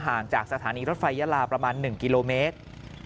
จากสถานีรถไฟยาลาประมาณ๑กิโลเมตร